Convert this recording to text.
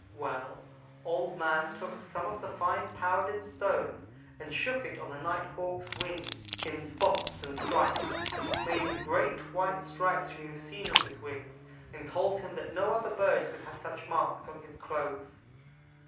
Well, Old man took some of the fine powdered stone and shook it on the Night hawk's wings in spots and stripes made the great white stripes you have seen on his wings, and told him that no other bird could have such marks on his clothes.